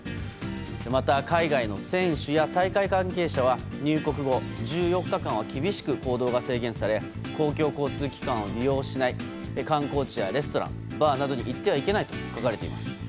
また、海外の選手や大会関係者は入国後１４日間は厳しく行動が制限され公共交通機関を利用しない観光地やレストランバーなどに行ってはいけないと書かれています。